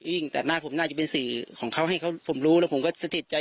ตัดหน้าผมน่าจะเป็นสื่อของเขาให้เขาผมรู้แล้วผมก็สถิตใจ